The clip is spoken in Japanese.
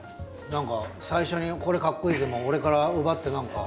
何か最初に「これ、かっこイイぜ！」も俺から奪って何か。